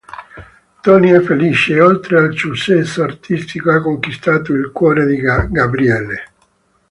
Tony è felice: oltre al successo artistico, ha conquistato il cuore di Gabrielle.